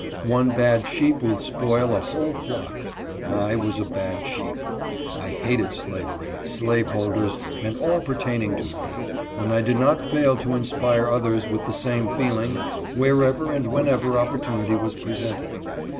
One bad sheep will spoil a whole flock. I was a bad sheep. I hated slavery, slaveholders, and all pertaining to them ; and I did not fail to inspire others with the same feeling wherever and whenever opportunity was presented.